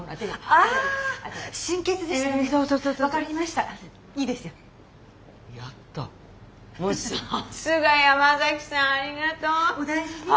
ありがとう。